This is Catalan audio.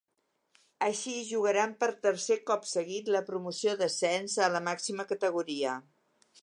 Així, jugaran per tercer cop seguit la promoció d’ascens a la màxima categoria.